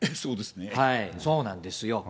そうなんですよ。